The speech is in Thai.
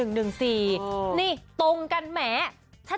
นี่ตรงกันแหม